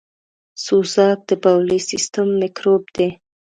سوزک دبولي سیستم میکروب دی .